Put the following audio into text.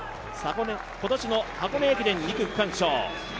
今年の箱根駅伝２区区間賞。